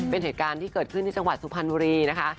เป็นเหตุการณ์ที่เกิดขึ้นที่จังหวัดสุพรรณบุรีนะคะ